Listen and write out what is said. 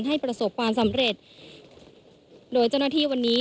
ให้ประสบความสำเร็จโดยเจ้าหน้าที่วันนี้